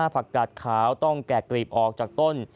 ผักกาดขาวต้องแกะกรีบออกจากต้น